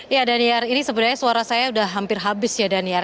ya daniar ini sebenarnya suara saya sudah hampir habis ya daniar